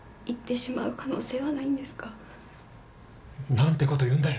何てこと言うんだよ。